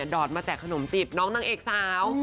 ดอดมาแจกขนมจีบน้องนางเอกสาว